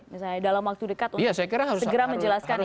misalnya dalam waktu dekat untuk segera menjelaskan ini